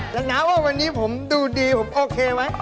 แล้วนะว่าวันนี้ผมดูดีผมโอเคไหม